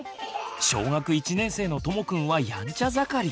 小学１年生のともくんはやんちゃ盛り。